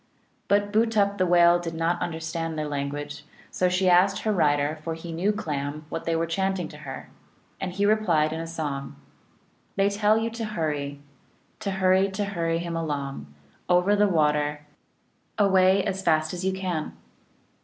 But Bootup the Whale did not understand their language, so she asked her rider for he knew Clam what they were chanting to her. And he replied in a song :" They tell you to hurry (cussal) (M.), To hurry, to hurry him along, Over the water, Away as fast as you can